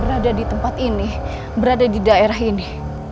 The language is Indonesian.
berada di tempat ini berada di daerah ini